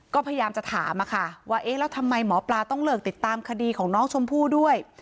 ก็พยายามจะถามอะค่ะว่าเอ๊ะแล้วทำไมหมอปลาต้องเลิกติดตามคดีของน้องชมพู่ด้วย